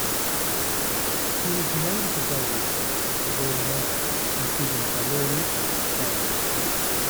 He was known to various sources for Roman art, including Bellori and Passeri.